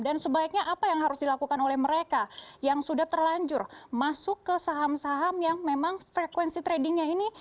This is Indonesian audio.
dan sebaiknya apa yang harus dilakukan oleh mereka yang sudah terlanjur masuk ke saham saham yang memang frekuensi tradingnya ini